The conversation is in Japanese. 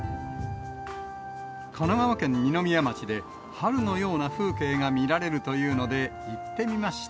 神奈川県二宮町で、春のような風景が見られるというので、行ってみました。